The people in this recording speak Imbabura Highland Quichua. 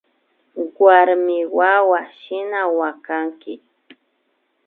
Warmiwawa shina wakanki